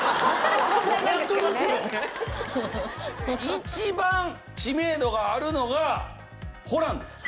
一番知名度があるのがホランです。